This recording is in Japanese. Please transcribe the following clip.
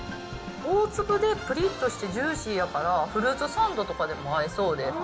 大粒でぷりっとしてジューシーやから、フルーツサンドとかでも合いそうで。